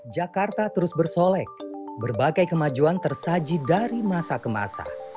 jakarta terus bersolek berbagai kemajuan tersaji dari masa ke masa